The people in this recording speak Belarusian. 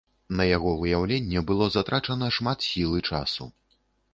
На яго выяўленне было затрачана шмат сіл і часу.